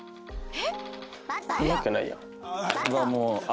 えっ！？